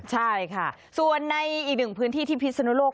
ใช่ค่ะส่วนในอีกหนึ่งพื้นที่ที่พิศนุโลก